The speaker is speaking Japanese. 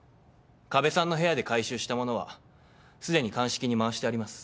加部さんの部屋で回収したものはすでに鑑識に回してあります。